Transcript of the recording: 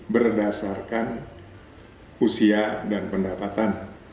berdasarkan usia dan pendapatan